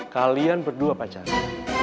kalian berdua pacaran